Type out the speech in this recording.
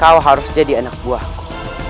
kau harus jadi anak buahku